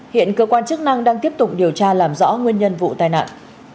hiện cơ quan chức năng đang tiếp tục điều tra làm rõ nguyên nhân vụ tai nạn